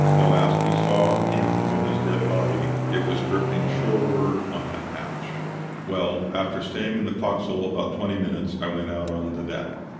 The last we saw of him or his dead body it was drifting shoreward on that hatch. "Well, after staying in the fo'c's'l about twenty minutes I went out on deck.